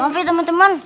maaf ya temen temen